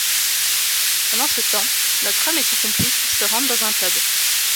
Pendant ce temps, notre homme et son complice se rendent dans un pub.